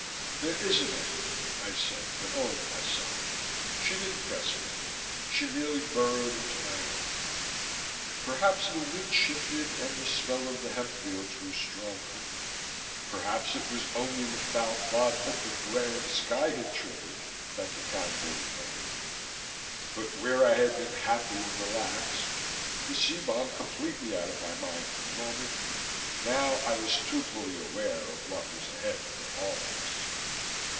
"There isn't any," I said, but only to myself. She didn't press me; she merely burrowed into my arm. Perhaps the wind shifted, and the smell of the hemp fields grew stronger; perhaps it was only the foul thought that the glaring sky had triggered that contaminated my mood. But where I had been happy and relaxed the C bomb completely out of my mind for the moment now I was too fully aware of what was ahead for all of us.